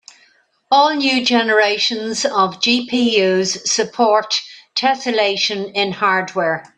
All new generations of GPUs support tesselation in hardware.